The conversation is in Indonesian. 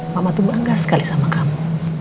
mama tuh bangga sekali sama kamu